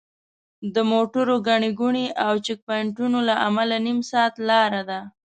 د موټرو ګڼې ګوڼې او چیک پواینټونو له امله نیم ساعت لاره ده.